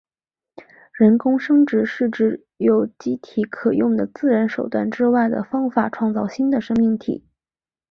人工生殖是指用有机体可用的自然手段之外的方法创造新的生命体。